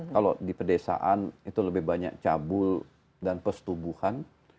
kalau di pedesaan itu lebih banyak cabul dan persetubuhan